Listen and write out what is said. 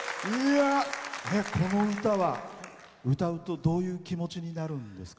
この歌は、歌うとどういう気持ちになるんですか？